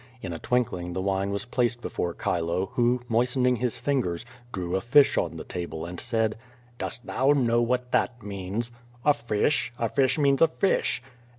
In a twinkling the wine was placed before Chilo, who, moistening his fingers, drew a fish on the table and said: "Dost know what that means?" "A fish? A fish means a fish."